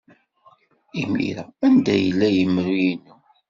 I imir-a, anda yella yemru-inu?